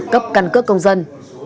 cấp căn cứ công dân